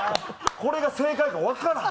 これが正解か分からん！